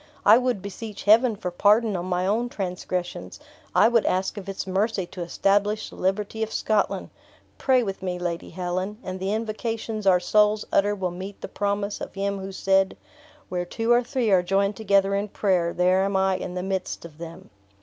I would beseech Heaven for pardon on my own transgressions; I would ask of its mercy to establish the liberty of Scotland. Pray with me, Lady Helen, and the invocations our souls utter will meet the promise of Him who said: 'Where two or three are joined together in prayer, there am I in the midst of them.'"